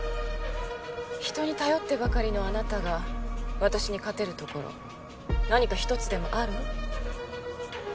人に頼ってばかりのあなたが私に勝てるところ何かひとつでもある？